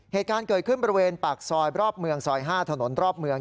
เหตุการณ์เกิดขึ้นบริเวณปากซอยรอบเมืองซอย๕ถนนรอบเมือง